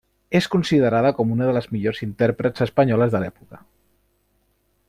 És considerada com una de les millors intèrprets espanyoles de l'època.